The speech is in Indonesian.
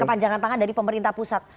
kepanjangan tangan dari pemerintah pusat